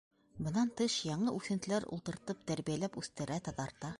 Бынан тыш, яңы үҫентеләр ултыртып, тәрбиәләп үҫтерә, таҙарта.